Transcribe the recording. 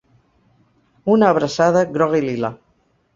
Una abraçada groga i lila.